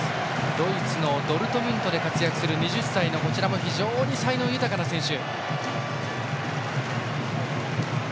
ドイツのドルトムントで活躍する２０歳のこちらも非常に才能豊かな選手。